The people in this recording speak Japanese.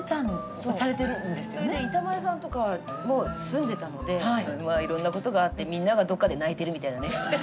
それで板前さんとかも住んでたのでいろんなことがあってみんながどっかで泣いてるみたいなね。